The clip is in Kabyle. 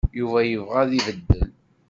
Yuba yebɣa ad ibeddel.